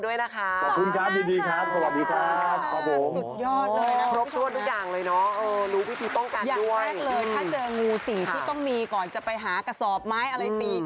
อย่างแรกเลยถ้าเจองูสิ่งที่ต้องมีก่อนจะไปหากระสอบไม้อะไรตีก